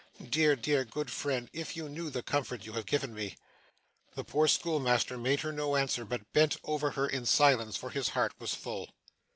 Dear, dear, good friend, if you knew the comfort you have given me!' The poor schoolmaster made her no answer, but bent over her in silence; for his heart was full.